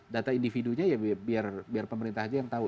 data individunya ya biar pemerintah aja yang tahu